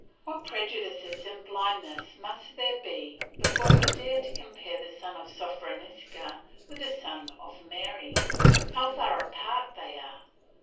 What prejudices and blindness must there be before we dare to compare the son of Sophronisca with the son of Mary. How far apart they are!